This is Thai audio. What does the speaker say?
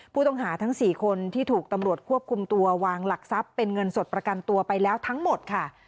ผู้ต้องหาทั้ง๔คนที่ถูกตำรวจควบคุมตัววางหลักทรัพย์เป็นเงินสดประกันตัวไปแล้วทั้งหมดค่ะ